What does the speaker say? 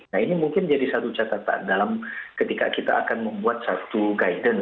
nah ini mungkin jadi satu catatan dalam ketika kita akan membuat satu guidance